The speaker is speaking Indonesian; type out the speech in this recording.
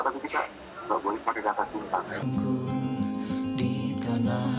tapi kita gak boleh pakai kata cinta